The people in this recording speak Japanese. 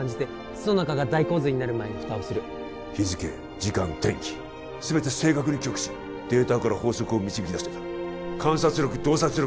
巣の中が大洪水になる前に蓋をする日付時間天気全て正確に記憶しデータから法則を導き出していた観察力洞察力